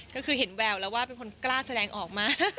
ก็คือเห็นแววแล้วว่าเป็นคนกล้าแสดงออกมา